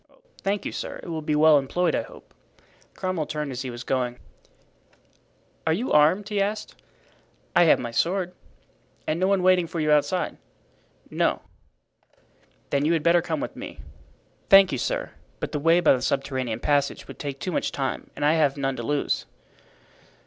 "Thank you, sir; it will be well employed, I hope." Cromwell turned as he was going. "Are you armed?" he asked. "I have my sword." "And no one waiting for you outside?" "No." "Then you had better come with me." "Thank you, sir, but the way by the subterranean passage would take too much time and I have none to lose."